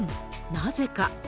なぜか。